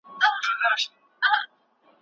چې د سود خبره راشي خلک ډېر دي